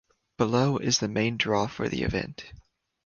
Below is the main draw for the event.